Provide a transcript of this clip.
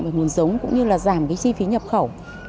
hệ thống chủ động về nguồn giống cũng như là giảm chi phí nhập khẩu